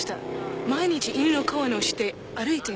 毎日犬の講演をして歩いていますね？